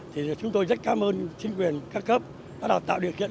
thì chúng tôi rất cảm ơn chính quyền ca cấp đã tạo điều kiện